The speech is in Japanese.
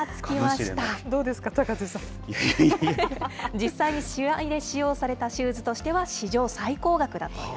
実際に試合で使用されたシューズとしては史上最高額だという